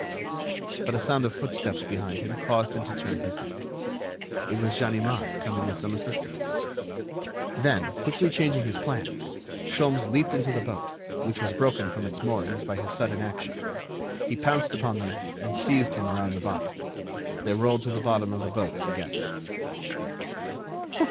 But a sound of footsteps behind him caused him to turn his head. It was Ganimard coming with some assistants. Then, quickly changing his plans, Sholmes leaped into the boat, which was broken from its moorings by his sudden action; he pounced upon the man and seized him around the body. They rolled to the bottom of the boat together.